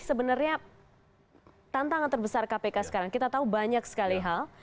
sebenarnya tantangan terbesar kpk sekarang kita tahu banyak sekali hal